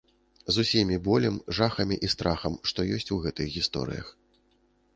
З усімі болем, жахамі і страхам, што ёсць у гэтых гісторыях.